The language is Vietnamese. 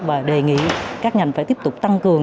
và đề nghị các ngành phải tiếp tục tăng cường